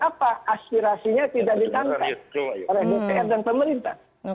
apa aspirasinya tidak ditangkap oleh dpr dan pemerintah